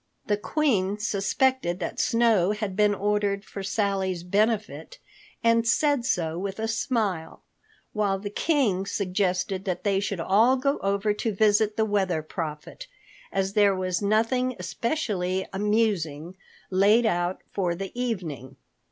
The Queen suspected that snow had been ordered for Sally's benefit, and said so with a smile; while the King suggested that they should all go over to visit the Weather Prophet, as there was nothing especially amusing laid out for the evening.